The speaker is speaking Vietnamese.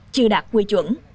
chưa đạt quy chuẩn